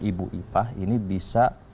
ibu ipah ini bisa